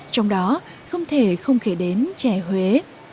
trong đó không thể không khể đến chè huế